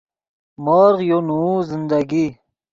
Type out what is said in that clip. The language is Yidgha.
مورغ یو نوؤ زندگی